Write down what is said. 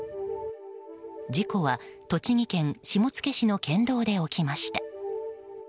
事故は栃木県下野市の県道で起きました。